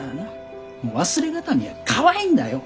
忘れ形見がかわいいんだよ！